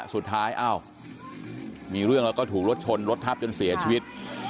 อ้าวมีเรื่องแล้วก็ถูกรถชนรถทับจนเสียชีวิต